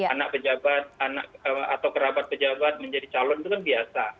anak pejabat atau kerabat pejabat menjadi calon itu kan biasa